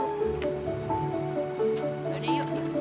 udah deh yuk